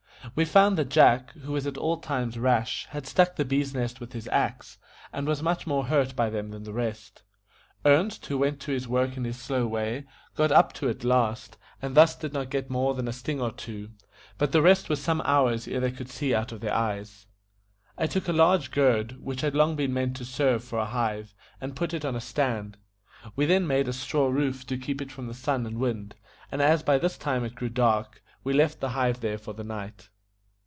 We found that Jack, who was at all times rash, had struck the bees' nest with his axe, and was much more hurt by them than the rest. Ernest, who went to his work in his slow way, got up to it last, and thus did not get more than a sting or two, but the rest were some hours ere they could see out of their eyes. I took a large gourd, which had long been meant to serve for a hive, and put it on a stand, We then made a straw roof to keep it from the sun and wind, and as by this time it grew dark, we left the hive there for the night.